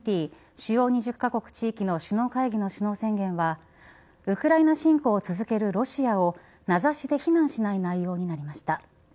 主要２０カ国、地域の首脳会談の首脳宣言はウクライナ侵攻を続けているロシアを名指しで避難しない内容となりました。